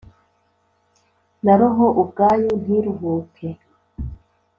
na roho ubwayo ntiruhuke